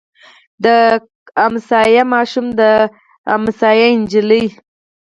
د ګاونډي ماشوم د ګاونډۍ نجلۍ.